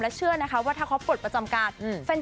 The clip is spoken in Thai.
เชื่อนะคะว่าถ้าเขาปลดประจำการ